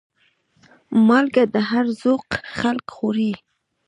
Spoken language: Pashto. مالګه د هر ذوق خلک خوري.